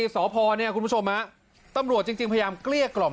สพเนี่ยคุณผู้ชมฮะตำรวจจริงพยายามเกลี้ยกล่อม